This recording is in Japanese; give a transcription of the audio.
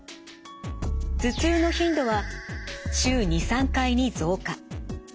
頭痛の頻度は週２３回に増加。